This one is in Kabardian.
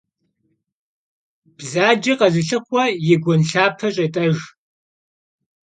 Bzace khezılhxu yi guen lhape ş'êt'ejj.